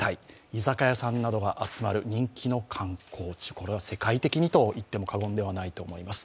居酒屋さんなどが集まる人気の観光地、これは世界的にと言っても過言ではないと思います。